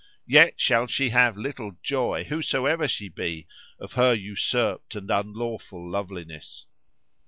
Yet shall she have little joy, whosoever she be, of her usurped and unlawful loveliness!"